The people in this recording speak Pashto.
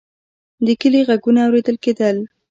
د کلي غږونه اورېدل کېدل.